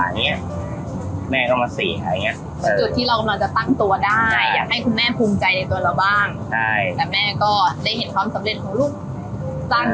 แต่แม่ก็มาก็ได้เห็นความสำเร็จของลูกสั้น